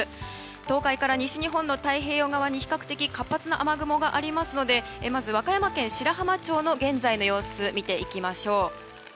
東海から西日本の太平洋側に比較的、活発な雨雲があるのでまず和歌山県白浜町の現在の様子を見ていきましょう。